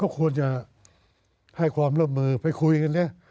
ก็ควรจะให้ความร่วมมือไปคุยกันสิ